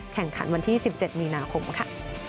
แข่งขันวันที่๑๗มีนาคมค่ะ